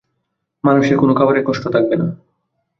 মানুষের কোনো খাবারের কষ্ট থাকবে না।